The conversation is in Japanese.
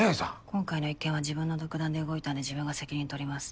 今回の一件は自分の独断で動いたんで自分が責任取ります。